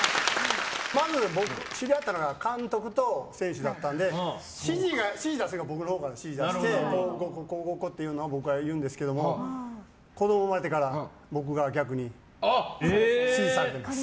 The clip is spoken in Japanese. まず、知り合ったのが監督と選手だったので指示出すのが僕のほうから指示出してこうこう動こうっていうのを僕が言うんですけど子供が生まれてから僕が逆に指示されてます。